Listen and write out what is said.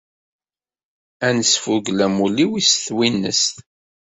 Ad nesfugel amulli wis tawinest.